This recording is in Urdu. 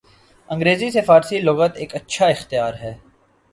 انگریزی سے فارسی لغت ایک اچھا اختیار ہے۔